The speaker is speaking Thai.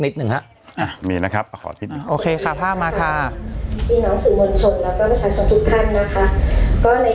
นิดนึงฮะอ่ะมีนะครับโอเคค่ะภาพมาค่ะทุกท่านนะคะก็ใน